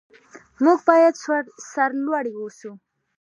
موږ باید سرلوړي اوسو.